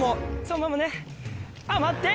そのままねあっ。